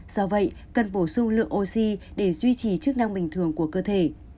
do vậy cần bổ sung lượng oxy để duy trì chức năng bình thường của cơ thể